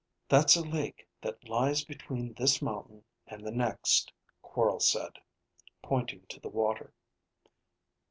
"That's a lake that lies between this mountain and the next," Quorl said, pointing to the water.